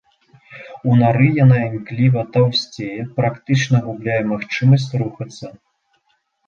У нары яна імкліва таўсцее, практычна губляе магчымасць рухацца.